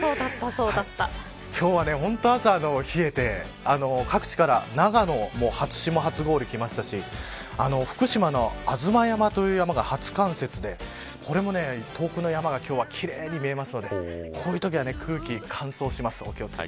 今日は朝、冷えて各地から長野も初霜初氷きましたし福島の吾妻山という山が初冠雪で今日も遠くの山が奇麗に見えるのでこういうときは空気が乾燥します。